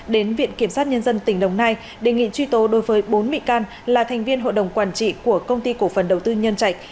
đến viện kiểm sát nhân dân tỉnh đồng nai đề nghị truy tố đối với bốn bị can là thành viên hội đồng quản trị của công ty cổ phần đầu tư nhân trạch